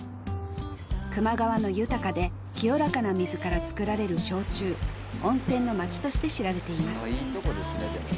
球磨川の豊かで清らかな水から造られる焼酎温泉の街として知られていますいいとこですねでも。